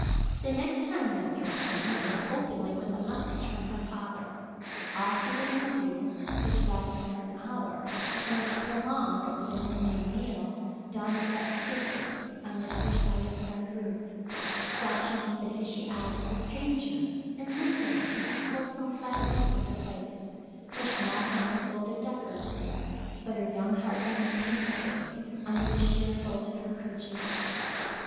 The next time Winthrop came it was openly, with a message from her father. All through the interview, which lasted for an hour, and was prolonged over the noonday meal, Dawn sat stiffly on the other side of Friend Ruth, watching the fishy eyes of the stranger and listening to his fulsome flatteries of the place, her small hands folded decorously, but her young heart beating painfully under the sheer folds of the 'kerchief.